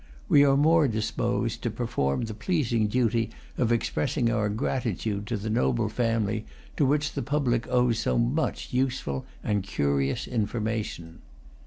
We are more disposed to perform the pleasing duty of expressing our gratitude to the noble family to which the public owes so much useful and curious information.